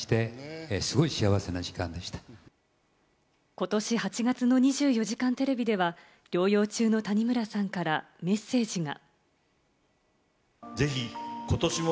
ことし８月の『２４時間テレビ』では、療養中の谷村さんからメッセージが。